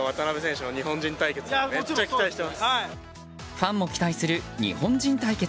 ファンも期待する日本人対決。